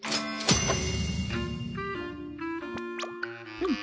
うん。